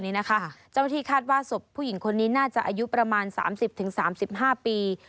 เจ้าหน้าที่คาดว่าศพผู้หญิงคนนี้น่าจะอายุประมาณ๓๐๓๕ปี